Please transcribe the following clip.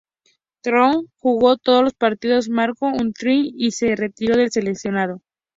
Thorn jugó todos los partidos, marcó un try y se retiró del seleccionado.